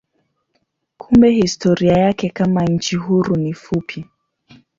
Kumbe historia yake kama nchi huru ni fupi.